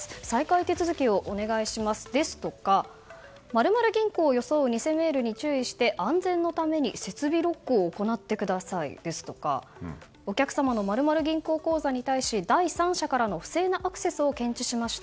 再開手続きをお願いしますですとか○○銀行を装う偽メールに注意して安全のために設備ロックを行ってくださいですとかお客様の○○銀行口座に対し第三者からの不正なアクセスを検知しました。